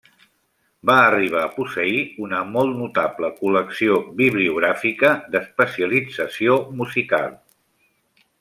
Va arribar a posseir una molt notable col·lecció bibliogràfica d'especialització musical.